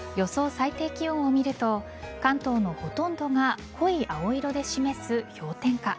最低気温を見ると関東のほとんどが濃い青色で示す氷点下。